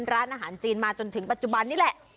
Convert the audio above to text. ร้านอาหารจีนมาจนถึงปัจจุบันนี้แหละ